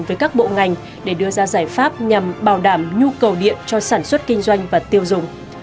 với các bộ ngành để đưa ra giải pháp nhằm bảo đảm nhu cầu điện cho sản xuất kinh doanh và tiêu dùng